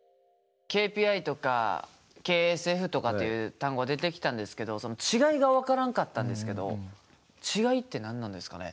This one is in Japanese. ＫＰＩとかＫＳＦとかっていう単語出てきたんですけどその違いが分からんかったんですけど違いって何なんですかね？